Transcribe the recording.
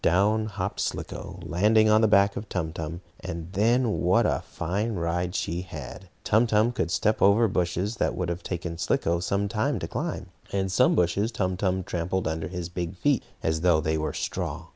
Down hopped Slicko, landing on the back of Tum Tum, and then what a fine ride she had! Tum Tum could step over bushes that would have taken Slicko some time to climb, and some bushes Tum Tum trampled under his big feet as though they were straw.